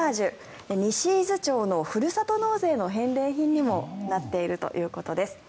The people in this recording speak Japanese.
西伊豆町のふるさと納税の返礼品にもなっているということです。